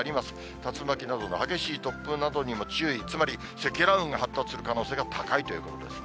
竜巻などの激しい突風などにも注意、つまり積乱雲が発達する可能性が高いということですね。